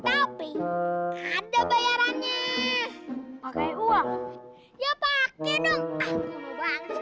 ya pakai dong aku mau banget koko